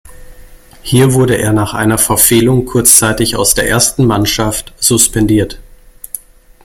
Hier wurde er nach einer Verfehlung kurzzeitig aus der ersten Mannschaft suspendiert.